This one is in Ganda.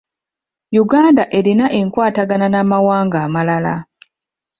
Uganda erina enkwatagana n'amawanga amalala.